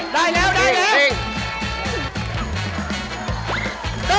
ได้แล้วได้แล้ว